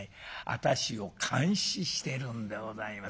私を監視してるんでございます。